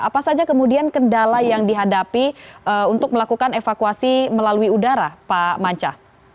apa saja kemudian kendala yang dihadapi untuk melakukan evakuasi melalui udara pak manca